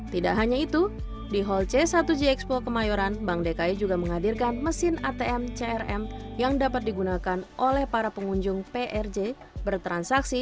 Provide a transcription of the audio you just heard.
tidak hanya itu di hall c satu gxpo kemayoran bank dki juga menghadirkan mesin atm crm yang dapat digunakan oleh para pengunjung prj bertransaksi